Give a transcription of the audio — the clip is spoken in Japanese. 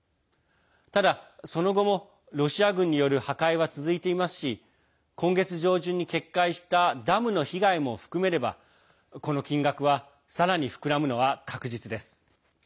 ただ、その後もロシア軍による破壊は続いていますし今月上旬に決壊したダムの被害も含めれば、この金額はさらに膨らむのは確実です。